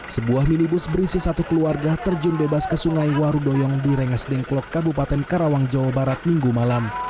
sebuah minibus berisi satu keluarga terjun bebas ke sungai warudoyong di rengas dengklok kabupaten karawang jawa barat minggu malam